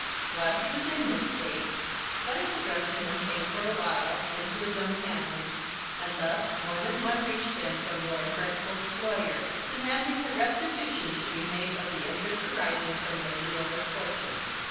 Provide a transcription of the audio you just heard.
While he was in this state, letters addressed to him came for a while into his own hands, and thus more than one reached him from Lord Brentford's lawyer, demanding that restitution should be made of the interest arising from Lady Laura's fortune.